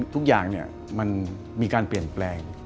ทุกอย่างมันมีการเปลี่ยนแปลง